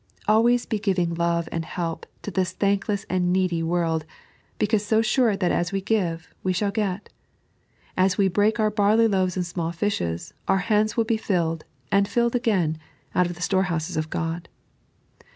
Always giving love and help to this thankless and needy world, because so sure that as we give, we shall get ; as we break our barley loaves and small fishes, our hands will be filled, and fiUed again, out of the storehouses of God.